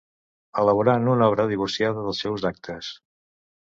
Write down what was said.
Elaborant una obra divorciada dels seus actes